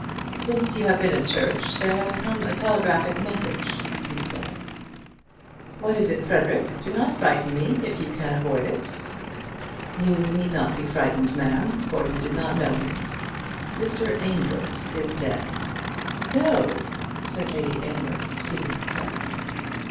"Since you have been at church there has come a telegraphic message," he said. "What is it, Frederic? Do not frighten me, if you can avoid it!" "You need not be frightened, ma'am, for you did not know him. Mr. Amedroz is dead." "No!" said Lady Aylmer, seating herself.